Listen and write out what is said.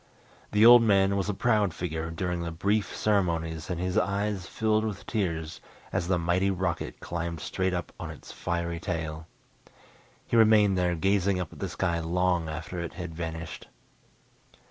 The old man was a proud figure during the brief ceremonies and his eyes filled with tears as the mighty rocket climbed straight up on its fiery tail. He remained there gazing up at the sky long after it had vanished.